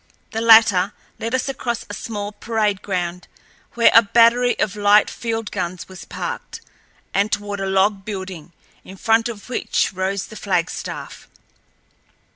The latter led us across a small parade ground, where a battery of light field guns was parked, and toward a log building, in front of which rose the flagstaff.